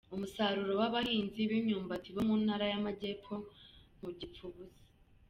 Umusaruro w’abahinzi b’imyumbati bo mu Ntara y’Amajyepfo ntugipfa ubusa